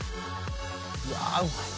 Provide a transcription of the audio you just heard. うわぁうまい。